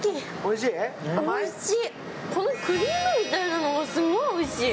このクリームみたいなのがすごいおいしい。